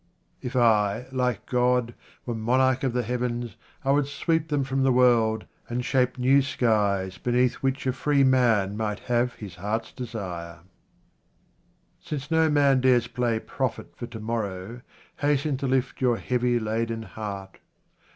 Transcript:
If I, like God, were monarch of the heaven^, I would sweep them from the world, and shape 47 QUATRAINS OF OMAR KHAYYAM new skies beneath which a free man might have his heart's desire. Since no man dares play prophet for to morrow, hasten to lift your heavy laden heart.